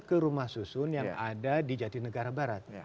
ke rumah susun yang ada di jati negara barat